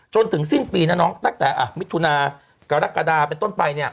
จนถึงสิ้นปีนะน้องตั้งแต่มิถุนากรกฎาเป็นต้นไปเนี่ย